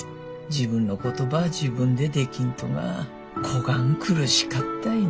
自分のことば自分でできんとがこがん苦しかったいね。